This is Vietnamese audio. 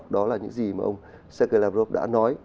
đó là những gì mà ông sergei lavrov đã nói